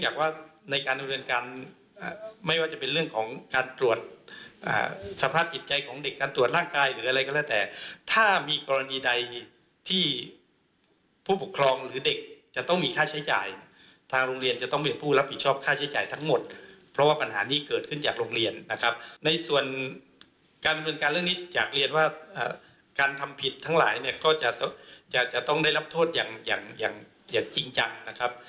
การเป็นการเรื่องนี้จากเรียนว่าการทำผิดทั้งหลายเนี่ยก็จะต้องได้รับโทษอย่างจริงจังนะครับ